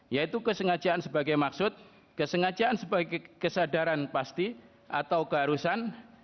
yaitu kesengajaan sebagai maksud kesengajaan sebagai kesadaran pasti atau keharusan